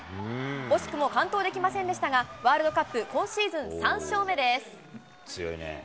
惜しくも完登できませんでしたが、ワールドカップ今シーズン３勝目です。